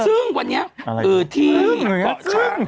ซึ่งวันนี้เออที่เกาะช้าง